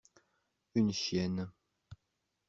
Une chienne.